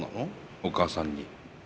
お母さんに。